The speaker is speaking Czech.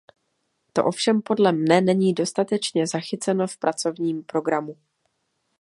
To ovšem podle mne není dostatečně zachyceno v pracovním programu.